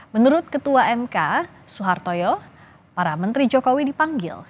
menurut ketua mk soehartoyo para menteri jokowi dipanggil